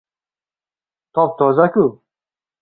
Top-toza-ku!